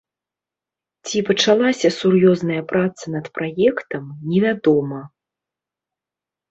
Ці пачалася сур'ёзная праца над праектам, невядома.